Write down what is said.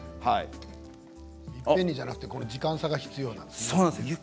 いっぺんにじゃなくて時間差が必要なんですね。